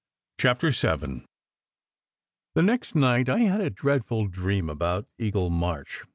CHAPTER VII THE next night I had a dreadful dream about Eagle March.